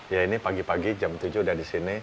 ya ini pagi pagi jam tujuh udah di sini